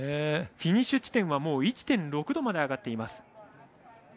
フィニッシュ地点は１．６度まで上がっています。